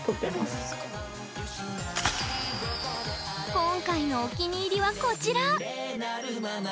今回のお気に入りは、こちら。